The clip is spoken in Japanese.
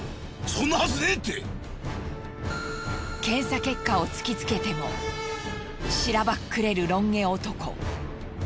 検査結果を突きつけてもしらばっくれるロン毛男。